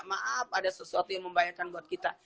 maaf ada sesuatu yang membahayakan buat kita